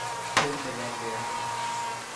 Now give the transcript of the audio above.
پھر ملیں گے